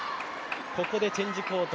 ここでチェンジコート。